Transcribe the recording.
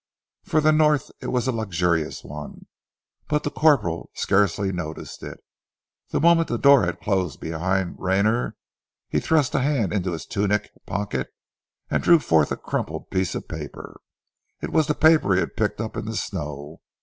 For the North it was a luxurious one, but the corporal scarcely noticed it. The moment the door had closed behind Rayner, he thrust a hand into his tunic pocket and drew forth a crumpled piece of paper. It was the paper he had picked up in the snow.